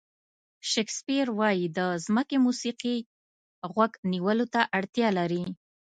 شکسپیر وایي د ځمکې موسیقي غوږ نیولو ته اړتیا لري.